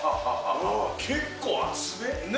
結構熱め。